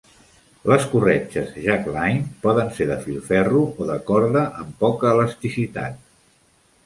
Les corretges jackline poden ser de filferro o de corda amb poca elasticitat.